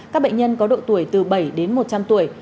các bệnh nhân có độ tuổi từ bảy đến một trăm linh tuổi